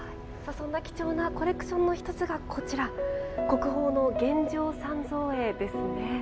そんな貴重なコレクションの１つがこちら国宝の「玄奘三蔵絵」。